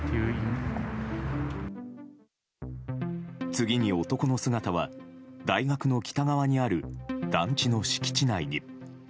次に男の姿は大学の北側にある団地の敷地内に。